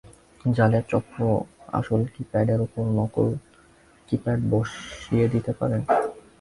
জালিয়াত চক্র আসল কি প্যাডের ওপর নকল কি প্যাড বসিয়ে দিতে পারে।